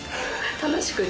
楽しくて。